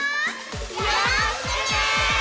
よろしくね！